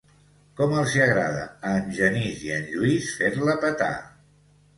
Com els hi agrada a en Genís i en Lluís fer-la petar.